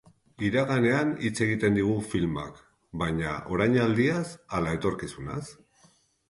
Iraganean hitz egiten digu filmak, baina orainaldiaz ala etorkizunaz?